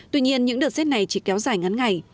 tuy nhiên những đợt rét này chỉ kéo dài ngắn ngày